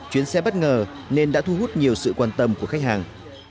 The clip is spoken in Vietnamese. chuyến xe bất ngờ nên đã thu hút nhiều sự quan tâm của khách hàng